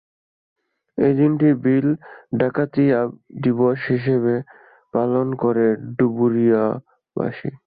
এই দিনটিকে বিল ডাকাতিয়া দিবস হিসেবে পালন করে ডুমুরিয়াবাসী।